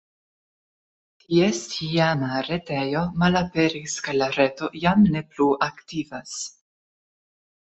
Ties iama retejo malaperis kaj la reto jam ne plu aktivas.